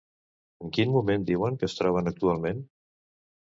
En quin moment diuen que es troben actualment?